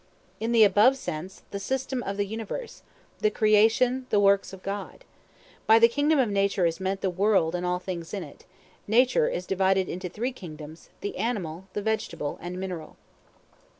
In the above sense, the system of the universe; the creation, the works of God. By the kingdom of nature is meant the world and all things in it: nature is divided into three kingdoms, the animal, vegetable, and mineral.